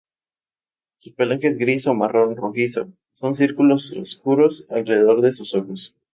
Su pelaje es gris, o marrón rojizo, con círculos oscuros alrededor de sus ojos.